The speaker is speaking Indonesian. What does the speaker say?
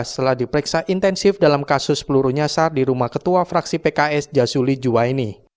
setelah diperiksa intensif dalam kasus peluru nyasar di rumah ketua fraksi pks jasuli juwaini